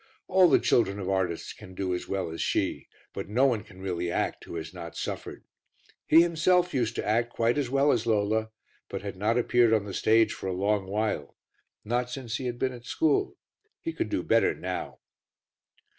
All the children of artists can do as well as she, but no one can really act who has not suffered. He himself used to act quite as well as Lola, but had not appeared on the stage for a long while not since he had been at school. He could do better now.